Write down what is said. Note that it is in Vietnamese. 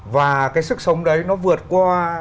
và cái sức sống đấy nó vượt qua